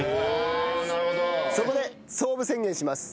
そこで創部宣言します。